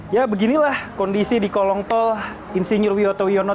ya beginilah kondisi di kolong tol insinyur wiyoto wiono